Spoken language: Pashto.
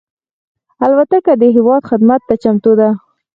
الوتکه د هېواد خدمت ته چمتو ده.